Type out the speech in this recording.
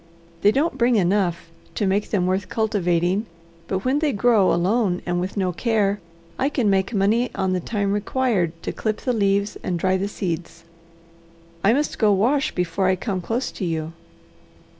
They don't bring enough to make them worth cultivating, but when they grow alone and with no care, I can make money on the time required to clip the leaves and dry the seeds. I must go wash before I come close to you."